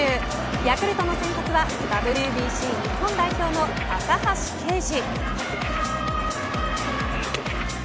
ヤクルトの先発はＷＢＣ日本代表の高橋奎二。